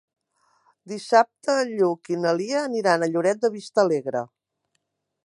Dissabte en Lluc i na Lia aniran a Lloret de Vistalegre.